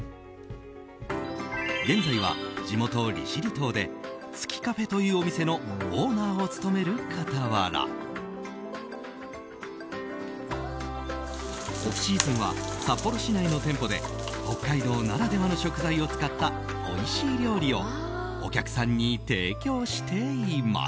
現在は、地元・利尻島でＴＳＵＫＩＣＡＦＥというお店のオーナーを務める傍らオフシーズンは札幌市内の店舗で北海道ならではの食材を使ったおいしい料理をお客さんに提供しています。